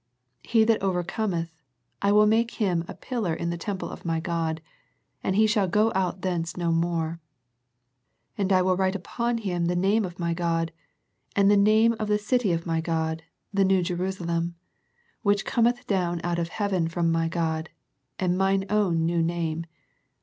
He that overcometh, I will make him a pillar in the temple of My God, and he shall go out thence no more : and I will write upon him the name of My God, and the name of the city of My God, the new Jerusalem, which cometh down out of heaven from My God, and Mine own new name.